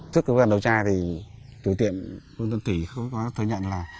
trước cơ quan điều tra thì cửa tiệm vương tuấn thủy có thể nhận là